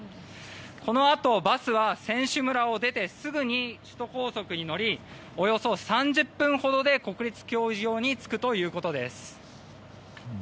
このあとバスは選手村を出てすぐに首都高速に乗りおよそ３０分ほどで国立競技場に着くということです。